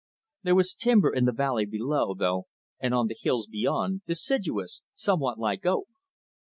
There was timber in the valley below, though, and on the hills beyond, deciduous, somewhat like oak.